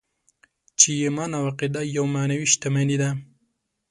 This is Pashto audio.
چې ايمان او عقیده يوه معنوي شتمني ده.